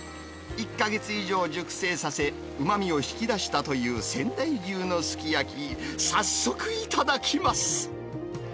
１か月以上熟成させ、うまみを引き出したという仙台牛のすき焼き、早速いただきます。